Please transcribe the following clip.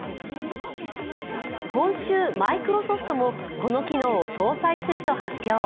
今週、マイクロソフトもこの機能を搭載すると発表。